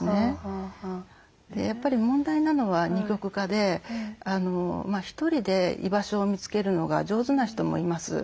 やっぱり問題なのは二極化で１人で居場所を見つけるのが上手な人もいます。